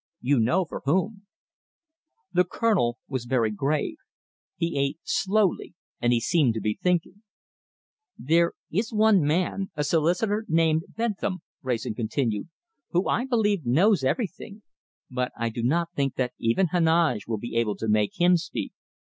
You know for whom." The Colonel was very grave. He ate slowly, and he seemed to be thinking. "There is one man, a solicitor named Bentham," Wrayson continued, "who I believe knows everything. But I do not think that even Heneage will be able to make him speak.